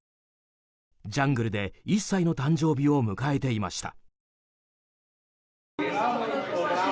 ジャングルで１歳の誕生日を迎えていました。